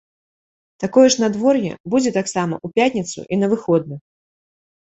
Такое ж надвор'е будзе таксама ў пятніцу і на выходных.